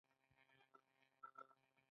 سنگ مرمر د افغانستان د صنعت لپاره مواد برابروي.